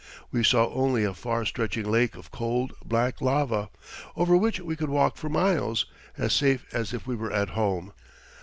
We saw only a far stretching lake of cold, black lava, over which we could walk for miles, as safe as if we were at home.